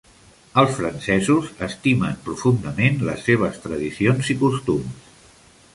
Els francesos estimen profundament les seves tradicions i costums